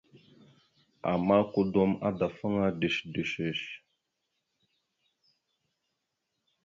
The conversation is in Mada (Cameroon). Ama, kudom adafaŋa ɗœshəɗœshœsh.